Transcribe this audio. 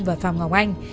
và phạm ngọc anh